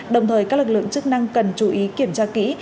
đồng thời các lực lượng chức năng cần chú ý kiểm tra kỹ